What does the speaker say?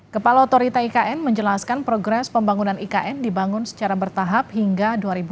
kepala otorita ikn menjelaskan progres pembangunan ikn dibangun secara bertahap hingga dua ribu dua puluh